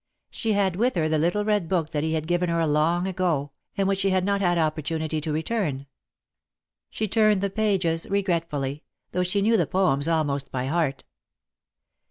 She had with her the little red book that he had given her long ago, and which she had not had opportunity to return. She turned the pages regretfully, though she knew the poems almost by heart.